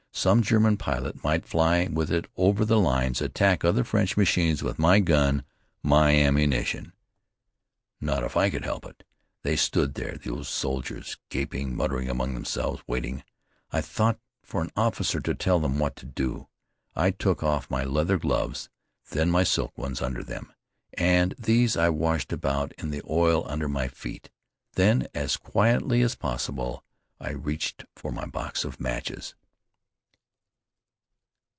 Some German pilot might fly with it over the lines, attack other French machines with my gun, my ammunition! Not if I could help it! They stood there, those soldiers, gaping, muttering among themselves, waiting, I thought, for an officer to tell them what to do. I took off my leather gloves, then my silk ones under them, and these I washed about in the oil under my feet. Then, as quietly as possible, I reached for my box of matches.